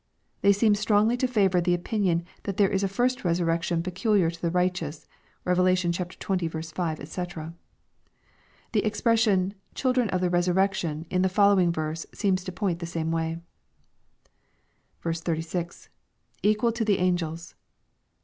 They seem strongly to favor the opinion that there is a first resurrection peculiar to the righteous. (Rev. XX. 5, &c.) The expression, " children of the resurrection," in the following verse, seems to point the same way. 56. — [Equal to the angels.